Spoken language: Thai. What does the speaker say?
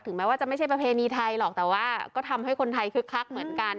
แม้ว่าจะไม่ใช่ประเพณีไทยหรอกแต่ว่าก็ทำให้คนไทยคึกคักเหมือนกัน